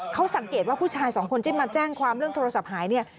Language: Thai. เขาสังเกตว่าผู้ชายสองคนที่มาแจ้งความเรื่องโทรศัพท์หายเนี่ย